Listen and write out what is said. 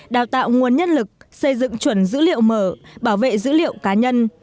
đào tạo nguồn nhân lực xây dựng chuẩn dữ liệu mở bảo vệ dữ liệu cá nhân